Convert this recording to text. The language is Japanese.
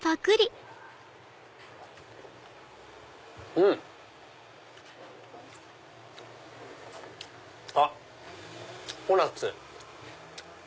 うん！あっココナツ。